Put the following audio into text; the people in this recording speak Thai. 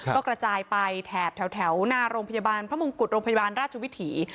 ก็กระจายไปแถบแถวหน้าโรงพยาบาลพระมงกุฎโรงพยาบาลราชวิถี